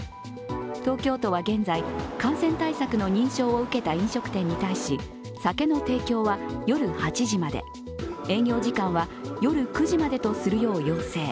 東京都は現在、感染対策の認証を受けた飲食店に対し酒の提供は夜８時まで営業時間は夜９時までとするよう要請。